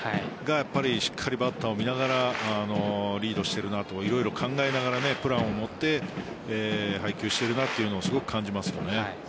やっぱりバッターを見ながらリードして色々考えながらプランを持って配球しているなというのをすごく感じます。